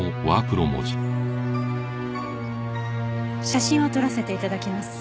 写真を撮らせて頂きます。